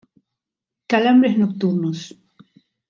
Calambres nocturnos.